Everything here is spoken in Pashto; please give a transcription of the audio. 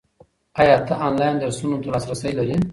ایا ته آنلاین درسونو ته لاسرسی لرې؟